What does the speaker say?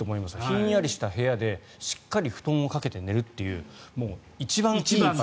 ひんやりした部屋で、しっかり布団をかけて寝るっていう一番いい生活。